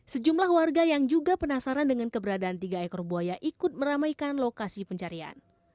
sejumlah warga yang juga penasaran dengan keberadaan tiga ekor buaya ikut meramaikan lokasi pencarian